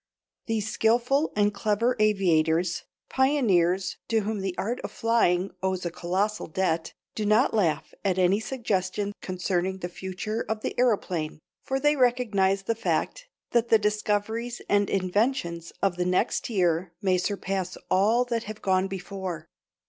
These skillful and clever aviators, pioneers to whom the Art of Flying owes a colossal debt, do not laugh at any suggestion concerning the future of the aëroplane, for they recognize the fact that the discoveries and inventions of the next year may surpass all that have gone before.